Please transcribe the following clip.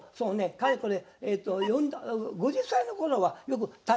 かれこれ５０歳の頃はよく立会をしました。